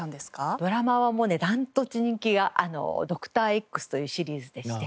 ドラマはもうね断トツ人気が『ドクターＸ』というシリーズでして。